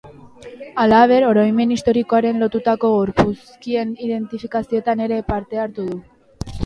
Halaber, oroimen historikoaren lotutako gorpuzkien identifikazioetan ere parte hartu du.